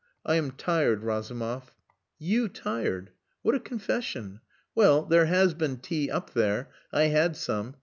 I am tired, Razumov." "You tired! What a confession! Well, there has been tea up there. I had some.